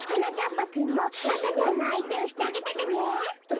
ぱくんもあかちゃんのあいてをしてあげててねえ。